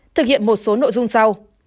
thực hiện một số nội dung sau